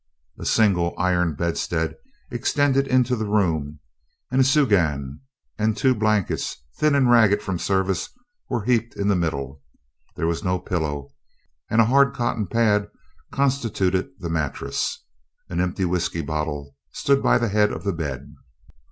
A single iron bedstead extended into the room and a soogan and two blankets, thin and ragged from service, were heaped in the middle. There was no pillow, and a hard cotton pad constituted the mattress. An empty whiskey bottle stood by the head of the bed.